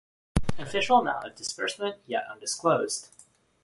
Official amount of disbursement yet undisclosed.